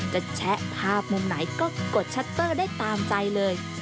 แชะภาพมุมไหนก็กดชัตเตอร์ได้ตามใจเลย